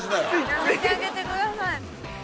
やめてあげてください。